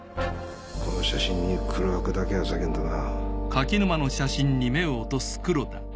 この写真に黒枠だけは避けんとな。